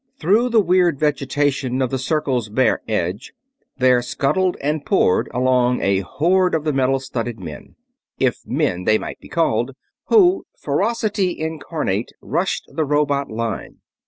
Through the weird vegetation of the circle's bare edge there scuttled and poured along a horde of the metal studded men if "men" they might be called who, ferocity incarnate, rushed the robot line.